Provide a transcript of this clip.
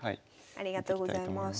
ありがとうございます。